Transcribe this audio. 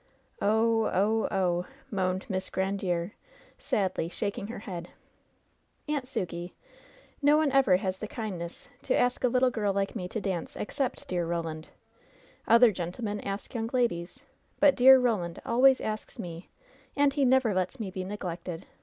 "Oh! oh I ohl" moaned Miss Grandiere, sadly, shak ing her head. "Aunt Sukey, no one ever has the kindness to ask a. 18 LOVE'S BITTEREST CUP little girl like me to dance except dear Roland. Other gentlemen ask young ladies; but dear Roland always asks me, and he never lets me be neglected.